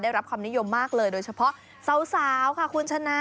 ได้รับความนิยมมากเลยโดยเฉพาะสาวค่ะคุณชนะ